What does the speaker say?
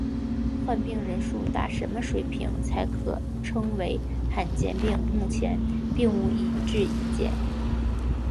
患病人数达什么水平才可称为罕见病目前并无一致意见。